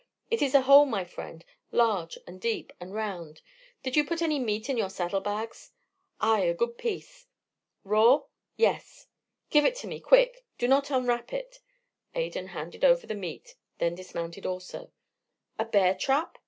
"It is a hole, my friend large and deep and round. Did you put any meat in your saddle bags?" "Ay, a good piece." "Raw?" "Yes." "Give it to me quick. Do not unwrap it." Adan handed over the meat, then dismounted also. "A bear trap?"